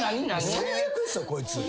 最悪っすよこいつ。